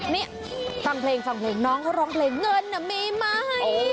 นี่ฟังเพลงฟังเพลงน้องเขาร้องเพลงเงินน่ะมีไหม